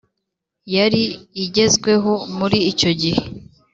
yari igezweho muri icyo gihe.